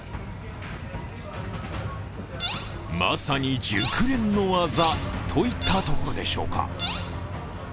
まさに熟練の技といったところでしょうか。